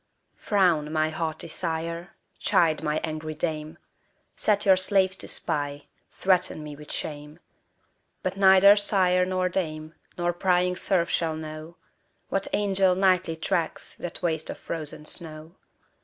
Frown, my haughty sire! chide, my angry dame! Set your slaves to spy; threaten me with shame: But neither sire nor dame, nor prying serf shall know, What angel nightly tracks that waste of frozen snow.